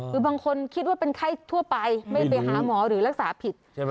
คือบางคนคิดว่าเป็นไข้ทั่วไปไม่ได้ไปหาหมอหรือรักษาผิดใช่ไหม